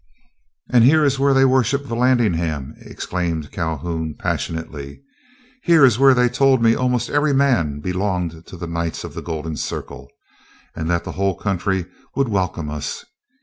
"And here is where they worship Vallandigham!" exclaimed Calhoun, passionately. "Here is where they told me almost every man belonged to the Knights of the Golden Circle, and that the whole county would welcome us.